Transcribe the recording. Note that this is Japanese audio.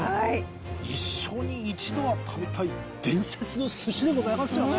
一生に一度は食べたい伝説の寿司でございますよね